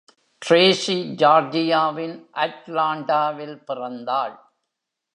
Tracy ஜார்ஜியாவின் அட்லாண்டாவில் பிறந்தாள்